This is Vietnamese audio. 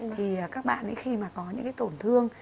thì các bạn ấy khi mà có những cái tổn thương